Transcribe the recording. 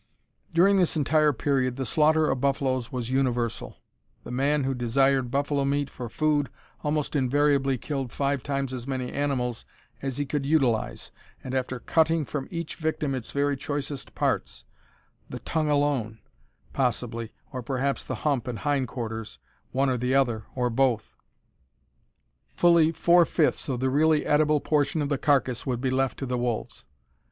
During this entire period the slaughter of buffaloes was universal. The man who desired buffalo meat for food almost invariably killed five times as many animals as he could utilize, and after cutting from each victim its very choicest parts the tongue alone, possibly, or perhaps the hump and hind quarters, one or the other, or both fully four fifths of the really edible portion of the carcass would be left to the wolves.